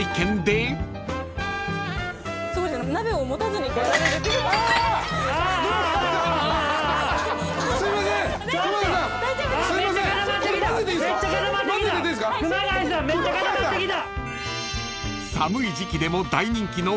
めっちゃ固まってきた。